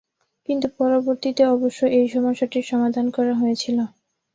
কিন্তু পরবর্তীতে অবশ্য এই সমস্যাটির সমাধান করা হয়েছিল।